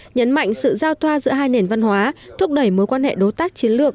nhấn mạnh sự giao thoa giữa hai nền văn hóa thúc đẩy mối quan hệ đối tác chiến lược